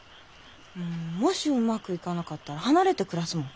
うんもしうまくいかなかったら離れて暮らすもん。